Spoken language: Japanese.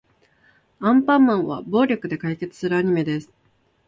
アンパンマンは暴力で解決するアニメです。